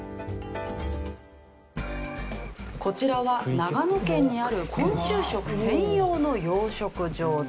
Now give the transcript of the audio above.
こちらは長野県にある昆虫食専用の養殖場です。